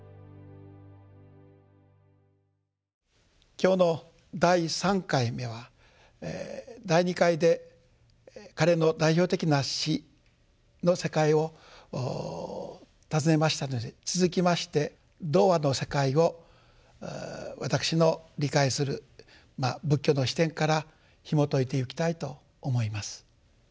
今日の第３回目は第２回で彼の代表的な詩の世界を訪ねましたので続きまして童話の世界を私の理解する仏教の視点からひもといていきたいと思います。